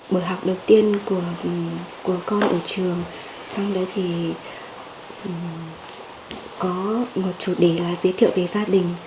một học đầu tiên của con ở trường trong đó thì có một chủ đề là giới thiệu về gia đình